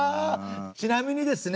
ちなみにですね